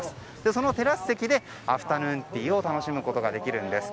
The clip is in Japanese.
そのテラス席でアフタヌーンティーを楽しむことができるんです。